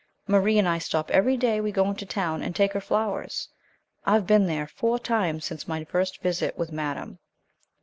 Marie and I stop every day we go into town and take her flowers. I have been there four times since my first visit with madame.